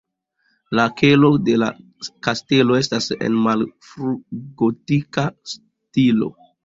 La kelo de la kastelo estas en malfrugotika stilo.